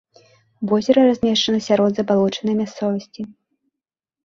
Возера размешчана сярод забалочанай мясцовасці.